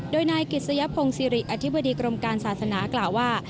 โดยนายกิจสยพงศิริอธิบดีกรมการศาสนากล่าวว่า